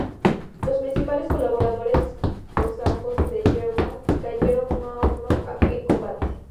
Los principales colaboradores cosacos de Yermak cayeron uno a uno en combate.